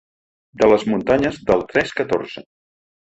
De les muntanyes del tres catorze.